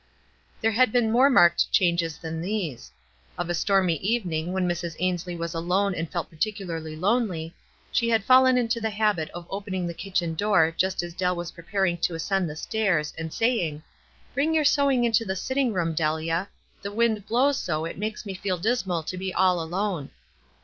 There had been more marked changes than these. Of a stormy evening, when Mrs. Ains lie was alone and felt particularly lonely, she had fallen into the habit of opening the kitchen door just as Dell was preparing to ascend the stairs, and saying, "Bring your sewing into the sitting room, Delia. The wind blows so it makes me feel dismal to be all alone."